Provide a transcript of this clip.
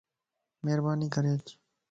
مھرباني ڪري اچ